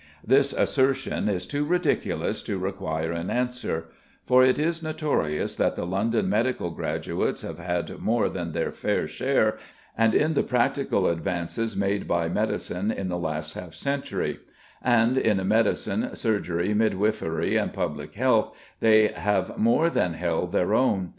This assertion is too ridiculous to require an answer, for it is notorious that the London medical graduates have had more than their fair share in all the practical advances made by medicine in the last half century; and in medicine, surgery, midwifery, and public health they have more than held their own.